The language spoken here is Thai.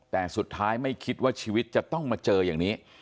แต่สุดท้ายไม่คิดว่าชีวิตจะต้องมาเจออย่างนี้